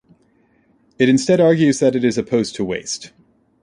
It instead argues that it is opposed to waste.